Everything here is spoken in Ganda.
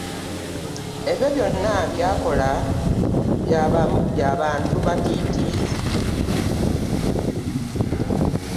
Ebyo byonna by'akola bya bantu batiitiizi.